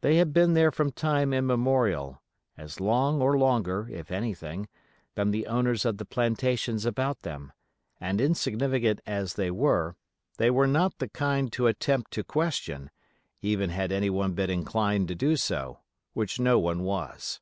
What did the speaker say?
They had been there from time immemorial, as long or longer, if anything, than the owners of the plantations about them; and insignificant as they were, they were not the kind to attempt to question, even had anyone been inclined to do so, which no one was.